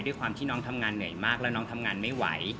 ด้วยความที่น้องทำงานเหนื่อยมากแล้วน้องทำงานไม่ไหว